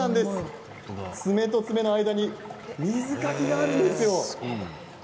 爪と爪の間に水かきがあるんですよ。